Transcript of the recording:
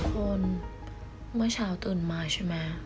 คนเมื่อเช้าตื่นมาใช่ไหม